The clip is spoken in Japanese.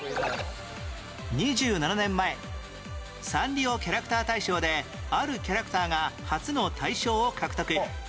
２７年前サンリオキャラクター大賞であるキャラクターが初の大賞を獲得